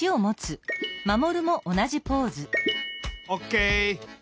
オーケー！